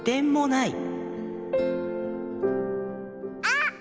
あっ！